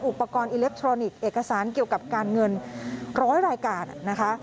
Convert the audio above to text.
อุปกรณ์อิเล็กทรอนิกส์เอกสารเกี่ยวกับการเงินร้อยรายการนะคะ